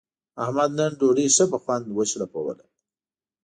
احمد نن ډوډۍ ښه په خوند و شړپوله.